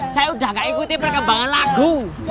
saya udah gak ikuti perkembangan lagu